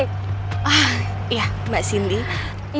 iya mbak cindy